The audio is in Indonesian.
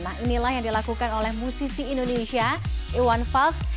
nah inilah yang dilakukan oleh musisi indonesia iwan fals